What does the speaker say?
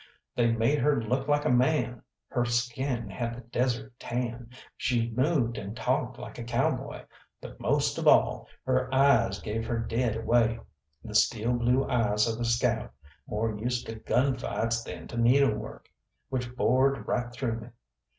They made her look like a man. Her skin had the desert tan; she moved and talked like a cowboy. But most of all, her eyes gave her dead away the steel blue eyes of a scout, more used to gun fights than to needlework, which bored right through me.